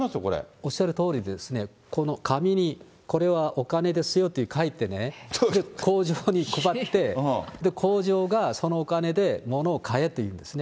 おっしゃるとおりでですね、この紙に、これはお金ですよと書いてね、工場に配って、で、工場がそのお金で物を買えって言うんですね。